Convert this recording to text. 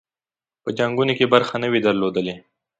په جنګونو کې برخه نه وي درلودلې.